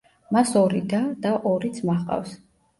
მას ორი და და ორი ძმა ჰყავს.